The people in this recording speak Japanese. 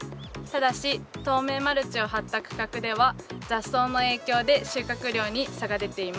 ただし透明マルチを張った区画では雑草の影響で収穫量に差が出ています。